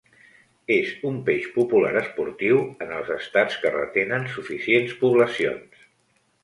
És un peix popular esportiu, en els Estats que retenen suficients poblacions.